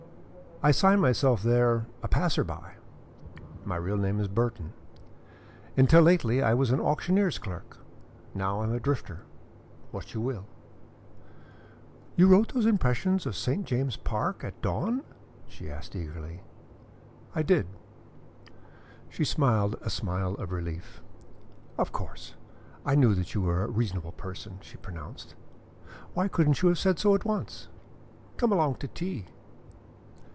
"I sign myself there 'A Passer by.' My real name is Burton. Until lately I was an auctioneer's clerk. Now I am a drifter what you will." "You wrote those impressions of St. James's Park at dawn?" she asked eagerly. "I did." She smiled a smile of relief. "Of course I knew that you were a reasonable person," she pronounced. "Why couldn't you have said so at once? Come along to tea."